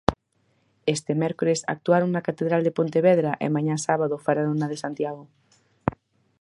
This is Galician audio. Este mércores actuaron na catedral de Pontevedra e mañá sábado farano na de Santiago.